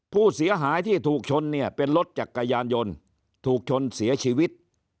ผู้เสียหายที่ถูกชนเนี่ยเป็นรถจักรยานยนต์ถูกชนเสียชีวิต